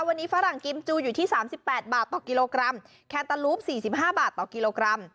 วันนี้ฝรั่งกิมจูอยู่ที่๓๘บาทต่อกิโลกรัมแคนตาลูป๔๕บาทต่อกิโลกรัม